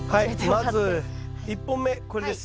まず１本目これです。